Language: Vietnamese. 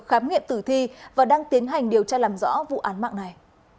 khám nghiệm tử thi và đang tiến hành điều tra làm rõ vụ án mạng này